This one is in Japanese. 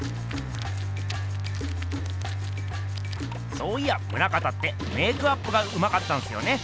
そういや棟方ってメークアップがうまかったんすよね。